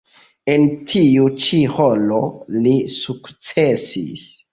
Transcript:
En tiu ĉi rolo li sukcesis.